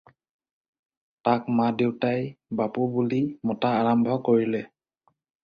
তাক মা দেউতাই বাপু বুলি মতা আৰম্ভ কৰিলে।